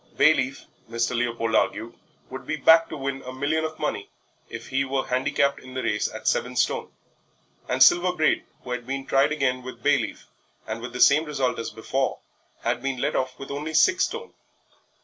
Bayleaf, Mr. Leopold argued, would be backed to win a million of money if he were handicapped in the race at seven stone; and Silver Braid, who had been tried again with Bayleaf, and with the same result as before, had been let off with only six stone.